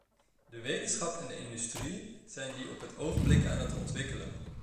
De wetenschap en de industrie zijn die op het ogenblik aan het ontwikkelen.